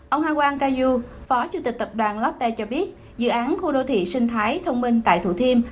ông hà quang ca du phó chủ tịch tập đoàn lotte cho biết dự án khu đô thị sinh thái thông minh tại thủ thiêm